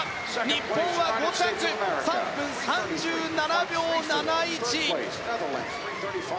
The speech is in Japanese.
日本は５着３分３７秒７１！